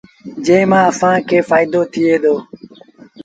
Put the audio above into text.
جݩهݩ مآݩ اسآݩ کي ڦآئيدو ٿئي دو۔